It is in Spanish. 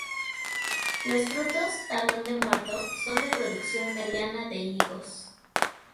Los frutos 'Talón de Muerto' son de producción mediana de higos.